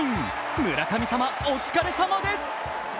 村神様、お疲れさまです。